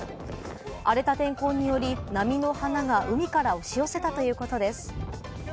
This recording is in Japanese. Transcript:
荒れた天候により、波の花が海から押し寄せたということです。